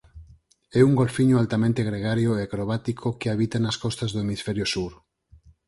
É un golfiño altamente gregario e acrobático que habita nas costas do Hemisferio Sur.